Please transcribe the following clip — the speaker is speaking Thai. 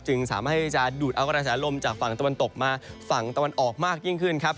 สามารถให้จะดูดเอากระแสลมจากฝั่งตะวันตกมาฝั่งตะวันออกมากยิ่งขึ้นครับ